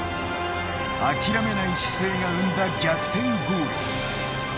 諦めない姿勢が生んだ逆転ゴール。